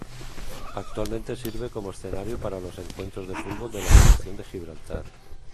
Actualmente sirve como escenario para los encuentros de fútbol de la Selección de Gibraltar.